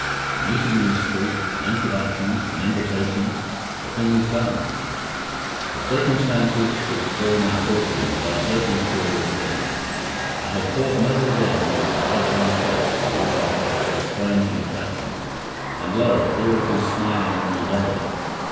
A meeting in the street, an introduction, an invitation the thing is done. The circumstances which form our fortunes are certainly curious things. I had thought never again to meet the bright young face to which I felt so strange an attraction and lo! here it is smiling on me daily.